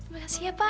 makasih ya pak